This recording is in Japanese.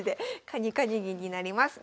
カニカニ銀になります。